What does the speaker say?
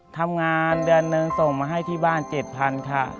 ทำงานเดือนหนึ่งส่งมาให้ที่บ้าน๗๐๐ค่ะ